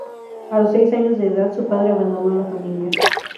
A los seis años de edad, su padre abandonó la familia.